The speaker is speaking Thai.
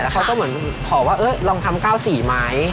แล้วเขาต้องเหมือนขอว่าเออลองทำก้าวสีไหม